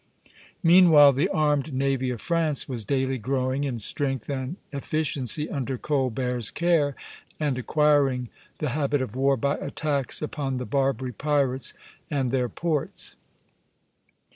Meanwhile the armed navy of France was daily growing in strength and efficiency under Colbert's care, and acquiring the habit of war by attacks upon the Barbary pirates and their ports.